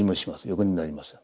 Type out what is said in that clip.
横にもなりません。